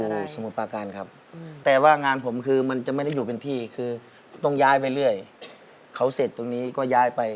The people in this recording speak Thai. สมุทรปาการครับแต่ว่างานผมคือมันจะไม่ได้อยู่เป็นที่คือต้องย้ายไปเรื่อยเขาเสร็จตรงนี้ก็ย้ายไป